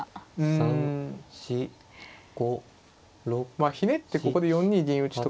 まあひねってここで４二銀打とかも。